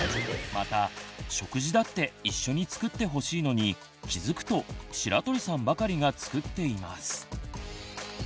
また食事だって一緒に作ってほしいのに気付くと白鳥さんばかりが作っています。